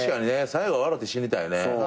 最後は笑って死にたいね。